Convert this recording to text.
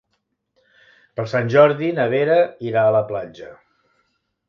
Per Sant Jordi na Vera irà a la platja.